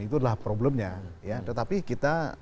itu adalah problemnya ya tetapi kita